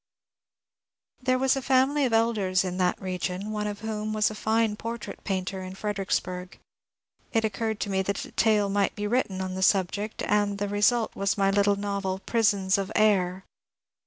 There was a &mily of Elders in that r^ion, cme of whom was a fine portrait painter in Fredericksbarg. It occarred to me that a tale might be written on t^ subject, and the re sult was my little novel '^ Prisons of Ajr."